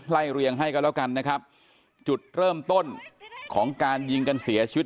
เรียงให้กันแล้วกันนะครับจุดเริ่มต้นของการยิงกันเสียชีวิต